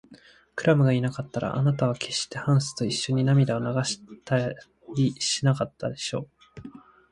クラムがいなかったら、あなたはけっしてハンスといっしょに涙を流したりしなかったでしょう。